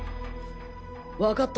わかった。